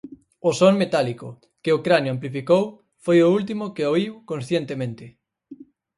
O son metálico, que o cranio amplificou, foi o último que oíu conscientemente.